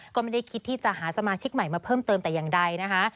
ก็ไม่ได้คิดที่จะหาสมาชิกใหม่มาเพิ่มเติมแต่อย่างใดนะคะ